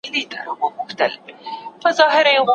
محیط د ټولنې د فرد غوښتني او اړتیاوي عرضه کوي.